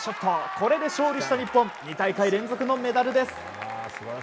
これで勝利した日本２大会連続のメダルです。